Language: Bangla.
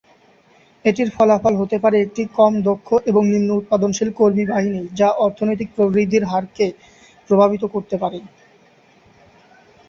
এটির ফলাফল হতে পারে একটি কম-দক্ষ এবং নিম্ন উৎপাদনশীল কর্মী বাহিনী যা অর্থনৈতিক প্রবৃদ্ধির হারকে প্রভাবিত করতে পারে।